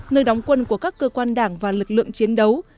nơi đóng quân của các cơ quan đảng và lực lượng chiến đấu